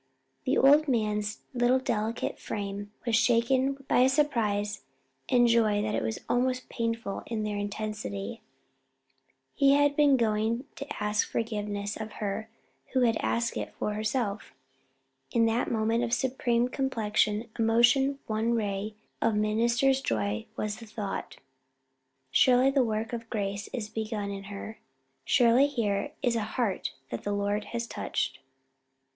The old man's little delicate frame was shaken by a surprise and joy that was almost painful in their intensity. He had been going to ask forgiveness of her who asked it for herself. In that moment of supreme complex emotion one ray of the minister's joy was the thought, "Surely the work of grace is begun in her surely here is a heart that the Lord hath touched."